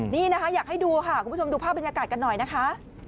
นี่นะคะอยากให้ดูค่ะคุณผู้ชมดูภาพบรรยากาศกันหน่อยนะคะ